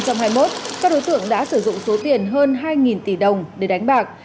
các đối tượng đã sử dụng số tiền hơn hai tỷ đồng để đánh bạc